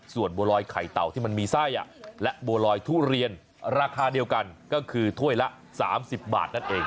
ส่วนบัวลอยไข่เต่าที่มันมีไส้และบัวลอยทุเรียนราคาเดียวกันก็คือถ้วยละ๓๐บาทนั่นเอง